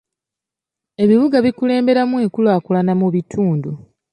Ebibuga bikulemberamu enkulaakulana mu bitundu.